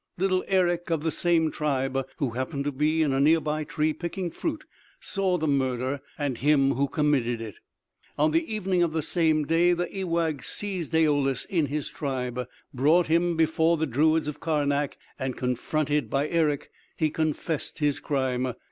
Little Erick of the same tribe, who happened to be in a near by tree picking fruit, saw the murder and him who committed it. On the evening of the same day the ewaghs seized Daoulas in his tribe. Brought before the druids of Karnak and confronted by Erick, he confessed his crime.